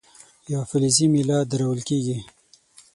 یوه فلزي میله درول کیږي.